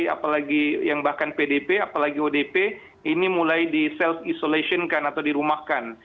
apalagi yang bahkan pdp apalagi odp ini mulai di self isolation kan atau dirumahkan